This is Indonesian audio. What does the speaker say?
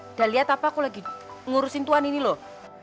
udah liat apa aku lagi ngurusin tuan ini loh